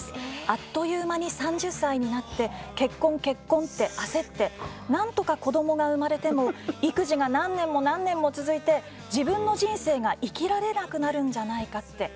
あっという間に３０歳になって結婚、結婚って焦ってなんとか子どもが生まれても育児が何年も何年も続いて自分の人生が生きられなくなるんじゃないかって。